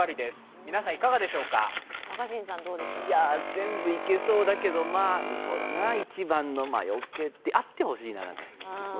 全部いけそうだけれどもそうだな、１番の魔よけであってほしいな。